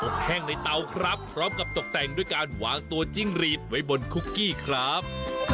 แห้งในเตาครับพร้อมกับตกแต่งด้วยการวางตัวจิ้งรีดไว้บนคุกกี้ครับ